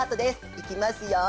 いきますよ